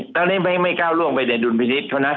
ตอนนี้ไม่ก้าวล่วงไปในดุลพิษภะนะ